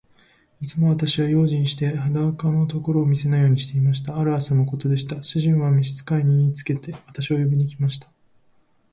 いつも私は用心して、裸のところを見せないようにしていました。ある朝のことでした。主人は召使に言いつけて、私を呼びに来ました。